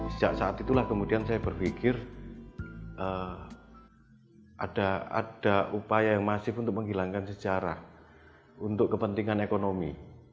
sejak saat itulah kemudian saya berpikir ada upaya yang masif untuk menghilangkan sejarah untuk kepentingan ekonomi